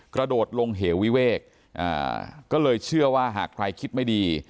กระโดดลงเหววิเวกก็เลยเชื่อว่าหากใครคิดไม่ดี